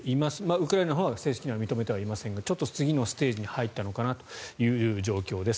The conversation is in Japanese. ウクライナのほうは正式に認めていませんが次のステージに入ったのかなという感じです。